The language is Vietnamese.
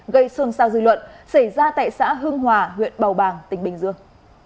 gây xuân sao dư luận xảy ra tại xã hưng hòa huyện bào bàng tỉnh bình dương